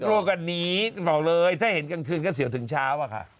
โลกกันนี้บอกเลยถ้าเห็นกลางคืนก็เสียวถึงเช้าอะค่ะ